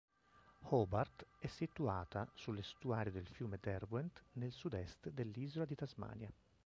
Hobart è situata sull'estuario del fiume Derwent nel sud-est dell'isola di Tasmania.